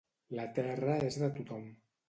La terra és de tothom.